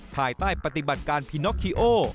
ภายใต้ปฏิบัติการพิน็อกคีโอ